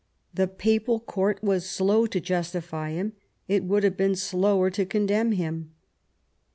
The Papal Court was slow to justify him; it would have been slower to condemn him.